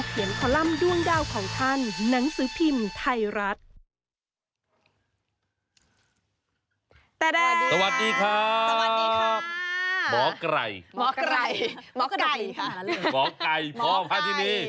หมอไก่หมอไก่หมอไก่ค่ะหมอไก่พอภาทินี